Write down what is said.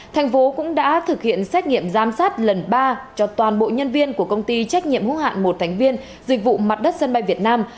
thành phố cũng đã thực hiện xét nghiệm giám sát lần ba cho toàn bộ nhân viên của công ty trách nhiệm hữu hạn một thành viên dịch vụ mặt đất sân bay việt nam